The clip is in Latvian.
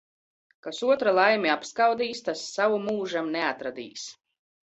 Kas otra laimi apskaudīs, tas savu mūžam neatradīs.